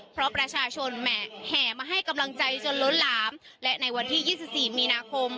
เพราะประชาชนแหม่แห่มาให้กำลังใจจนล้นหลามและในวันที่๒๔มีนาคม